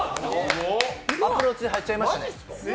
アプローチで入っちゃいましたね。